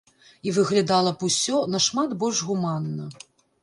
І выглядала б усё нашмат больш гуманна.